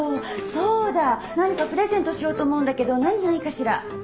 そうだ何かプレゼントしようと思うんだけど何がいいかしら？